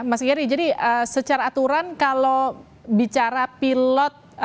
mas giri jadi secara aturan kalau bicara pilot